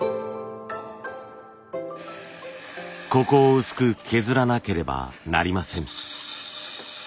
ここを薄く削らなければなりません。